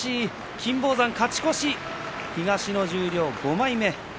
金峰山、勝ち越し東十両５枚目。